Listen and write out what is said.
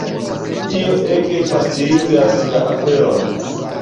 Tio ege faciligas la aferon.